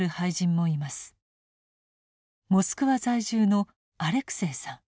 モスクワ在住のアレクセイさん。